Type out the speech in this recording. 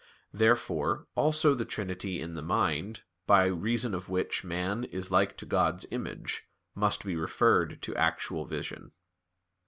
Therefore, also, the trinity in the mind, by reason of which man is like to God's image, must be referred to actual vision.